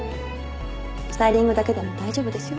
スタイリングだけでも大丈夫ですよ。